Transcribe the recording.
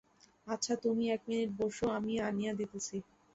আচ্ছা তুমি এক মিনিট বোসো, আমি আনিয়া দিতেছি।